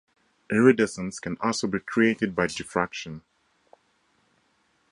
Iridescence can also be created by diffraction.